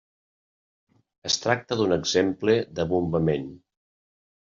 Es tracta d'un exemple de bombament.